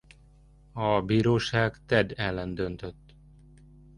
A bíróság Ted ellen döntött.